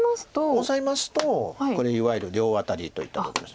オサえますとこれいわゆる両アタリといったとこです。